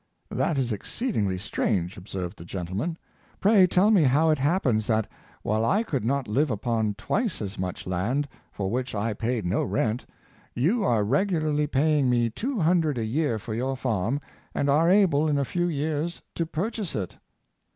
'' "That is exceedingly strange," observed the gentleman; " pray tell me how it happens that, while I could not live upon twice as much land, for which I paid no rent, you are regularly paying me two hundred a year for your farm, and are able, in a few years, to purchase it."